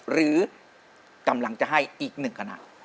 หรือกำลังจะให้อีกหนึ่งขณะ